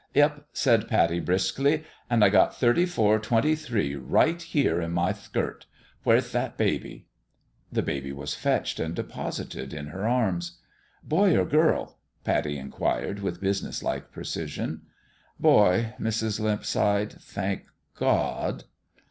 "Yep," said Pattie, briskily ; "an' I got thirty four twenty three right here in my thkirt. Where' th that baby ?" The baby was fetched and deposited in her arms. " Boy or girl ?" Pattie inquired, with business like precision. " Boy," Mrs. Limp sighed, " thank God